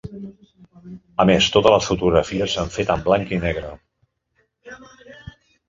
A més totes les fotografies s’han fet en blanc i negre.